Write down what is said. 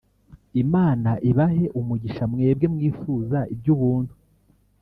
“Imana ibahe umugisha mwebwe mwifuza iby’ubuntu